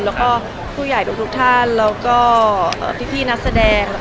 แล้วก็ผู้ใหญ่ทุกท่านแล้วก็พี่นักแสดง